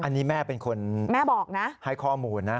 อันนี้แม่เป็นคนให้ข้อมูลนะ